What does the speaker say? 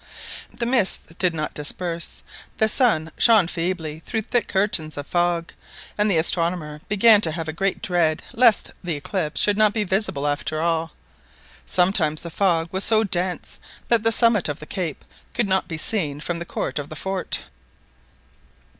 The mists did not disperse. The sun shone feebly through thick curtains of fog, and the astronomer began to have a great dread lest the eclipse should not be visible after all. Sometimes the fog was so dense that the summit of the cape could not be seen from the court of the fort.